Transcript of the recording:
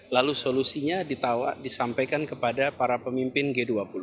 lalu solusinya disampaikan kepada para pemimpin g dua puluh